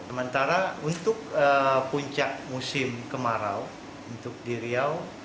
sementara untuk puncak musim kemarau untuk di riau